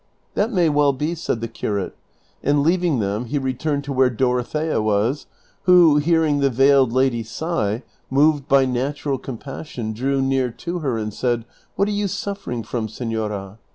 " That may well be," said the curate, and leaving them he returned to where Dorothea was, who, hearing the veiled lady sigh, moved by natural compassion drew near to her and said, " What are you suffering from, senora